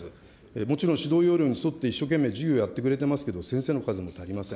もちろん指導要領に沿って一生懸命、授業やってくれてますけれども、先生の数も足りません。